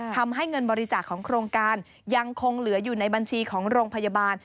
เงินบริจาคของโครงการยังคงเหลืออยู่ในบัญชีของโรงพยาบาล